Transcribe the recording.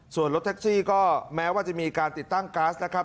ส่วนรถแท็กซี่ก็แม้ว่าจะมีการติดตั้งก๊าซนะครับ